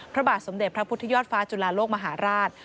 พระบาทสมเด็จพระพุทธยอดฟ้าจุฬาโลกมหาราช